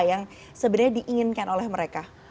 yang sebenarnya diinginkan oleh mereka